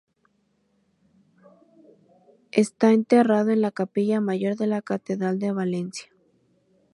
Está enterrado en la capilla mayor de la catedral de Valencia.